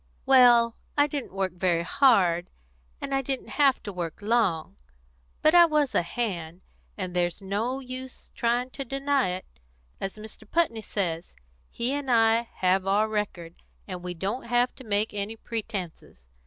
"Well, I didn't work very hard, and I didn't have to work long. But I was a hand, and there's no use trying to deny it. As Mr. Putney says, he and I have our record, and we don't have to make any pretences.